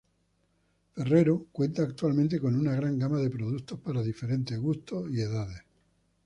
Ferrero cuenta actualmente con una gran gama de productos para diferentes gustos y edades.